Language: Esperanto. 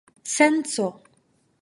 senso